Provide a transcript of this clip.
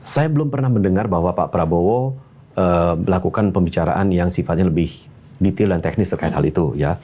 saya belum pernah mendengar bahwa pak prabowo melakukan pembicaraan yang sifatnya lebih detail dan teknis terkait hal itu